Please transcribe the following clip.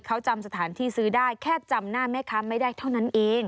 เขาจำสถานที่ซื้อได้แค่จำหน้าแม่ค้าไม่ได้เท่านั้นเอง